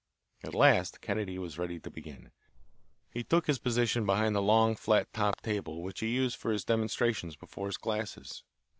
At last Kennedy was ready to begin. He took his position behind the long, flat topped table which he used for his demonstrations before his classes.